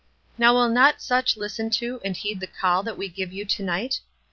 Now will not such listen to and heed the call that we give you to night?